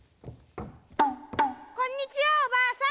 こんにちはおばあさん。